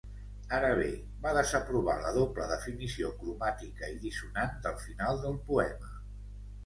Ara bé, va desaprovar la doble definició cromàtica i dissonant del final del poema.